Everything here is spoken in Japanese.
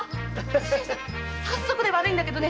早速で悪いんだけどね